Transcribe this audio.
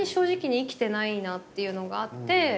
っていうのがあって。